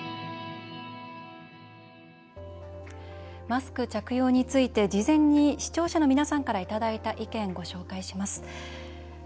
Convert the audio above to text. マスク着用について事前に視聴者の皆さんからいただいた意見をご紹介します。